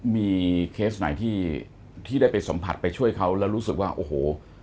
มีเคสไหนที่ได้ไปสัมผัสไปช่วยเขาแล้วรู้สึกว่าโอ้โห